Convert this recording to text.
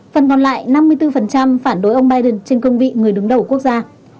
năm mươi bốn phản đối ông biden trên công vị người đứng đầu quốc gia